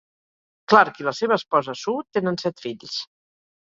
Clark i la seva esposa, Sue, tenen set fills.